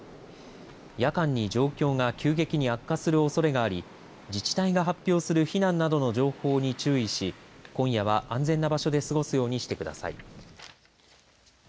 夜間に状況が急激に悪化するおそれがあり自治体が発表する避難などの情報に注意し今夜は安全な場所で過ごすようにしてください。